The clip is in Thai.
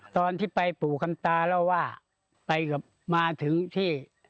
ตอนที่ไปปู่คำตาเล่าว่าไปกับมาถึงที่